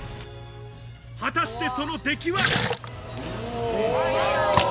果たしてその出来は。